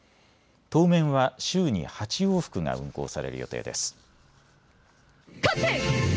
当面は週に８往復が運航される予定です。